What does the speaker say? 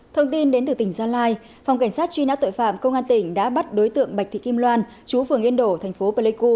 thông tin đến từ tỉnh gia lai phòng cảnh sát truy nã tội phạm công an tỉnh đã bắt đối tượng bạch thị kim loan chú phường yên đổ thành phố pleiku